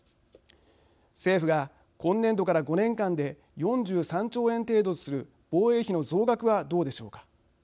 政府が今年度から５年間で４３兆円程度とする防衛費の増額はどうでしょうか。